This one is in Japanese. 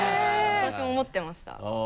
私も思ってました。